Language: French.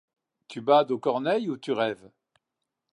tu bades aux corneilles ou tu rêves.